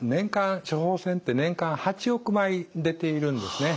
処方箋って年間８億枚出ているんですね。